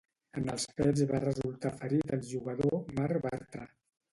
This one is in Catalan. En els fets va resultar ferit el jugador Marc Bartra.